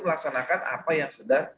melaksanakan apa yang sedang